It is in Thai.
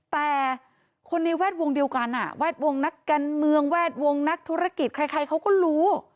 แต่คนในแวดวงเดียวกันแวดวงนักการเมืองแวดวงนักธุรกิจใครเขาก็รู้